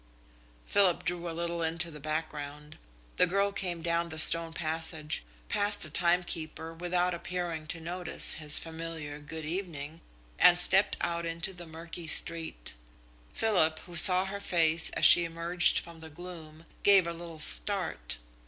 Philip drew a little into the background. The girl came down the stone passage, passed the timekeeper without appearing to notice his familiar "Good evening!" and stepped out into the murky street. Philip, who saw her face as she emerged from the gloom, gave a little start.